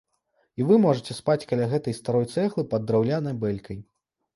І вы можаце спаць каля гэтай старой цэглы пад драўлянай бэлькай.